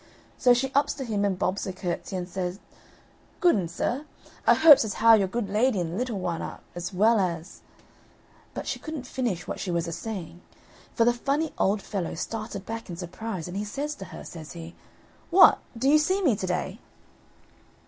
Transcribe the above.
So she ups to him and bobs a curtsey and said: "Gooden, sir, I hopes as how your good lady and the little one are as well as " But she couldn't finish what she was a saying, for the funny old fellow started back in surprise, and he says to her, says he: "What! do you see me today?"